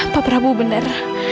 pak prabu benar